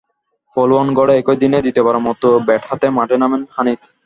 Follow-on গড়ে একই দিনে দ্বিতীয়বারের মতো ব্যাট হাতে মাঠে নামেন হানিফ।